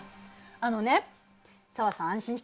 あのね紗和さん安心して。